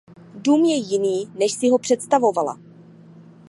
Dům je jiný než si ho představovala.